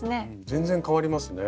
全然変わりますね。